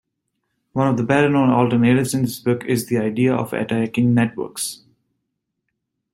One of the better-known alternatives in this book is the idea of attacking networks.